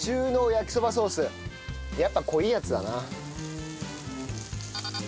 やっぱ濃いやつだな。